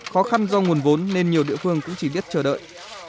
khó khăn do nguồn vốn nên nhiều địa phương cũng chỉ biết chờ đợi